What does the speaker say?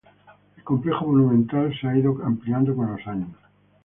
El complejo monumental se ha ido ampliando con los años.